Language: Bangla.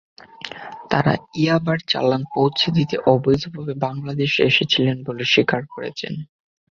তাঁরা ইয়াবার চালান পৌঁছে দিতে অবৈধভাবে বাংলাদেশে এসেছিলেন বলে স্বীকার করেছেন।